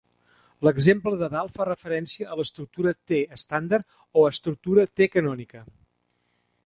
L'exemple de dalt fa referència a "l'estructura T estàndard" o "estructura T canònica".